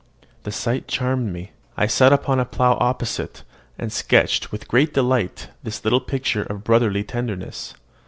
The sight charmed me. I sat down upon a plough opposite, and sketched with great delight this little picture of brotherly tenderness.